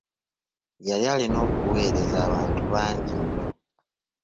Yali alina okuwereza abantu bangi nnyo.